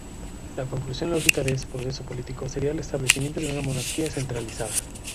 La conclusión lógica de este proceso político sería el establecimiento de una monarquía centralizada.